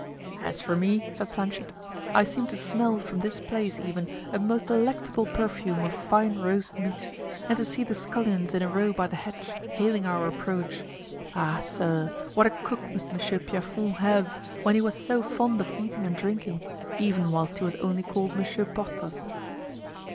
"As for me," said Planchet, "I seem to smell, from this place, even, a most delectable perfume of fine roast meat, and to see the scullions in a row by the hedge, hailing our approach. Ah! sir, what a cook must Monsieur Pierrefonds have, when he was so fond of eating and drinking, even whilst he was only called Monsieur Porthos!"